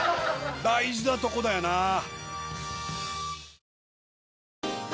大事なとこだよな。